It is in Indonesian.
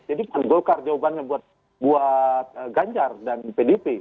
jadi pan golkar jawabannya buat ganjar dan pdp